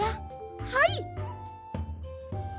はい！